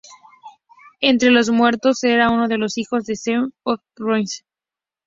Entre los muertos era uno de los hijos de Spee, Otto von Spee.